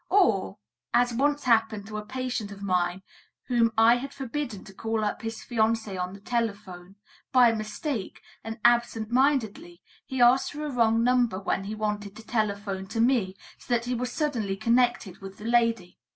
Or, as once happened to a patient of mine whom I had forbidden to call up his fiancée on the telephone, "by mistake" and "absent mindedly" he asked for a wrong number when he wanted to telephone to me, so that he was suddenly connected with the lady.